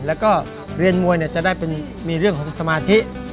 แล้วก็เรียนมวยจะได้มีเรื่องของสมาธิ